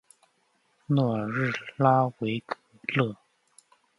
诺尔日拉维勒。